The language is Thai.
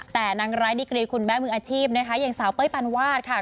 แต่นางร้ายดีกรีคุณแม่มืออาชีพนะคะอย่างสาวเป้ยปานวาดค่ะ